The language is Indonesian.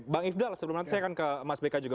bang ifdal sebelum nanti saya akan ke mas beka juga